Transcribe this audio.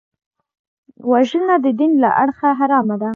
وژنه د دین له اړخه حرامه ده